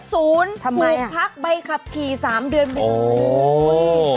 ถูกพักใบขับขี่๓เดือนแบบนี้